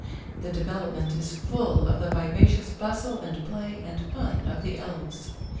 The development is full of the vivacious bustle and play and fun of the elves